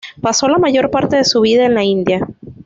Pasó la mayor parte de su vida en la India.